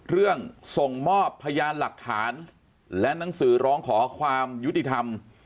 ส่งมอบพยานหลักฐานและหนังสือร้องขอความยุติธรรม